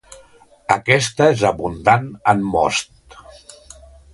Aquesta és abundant en most.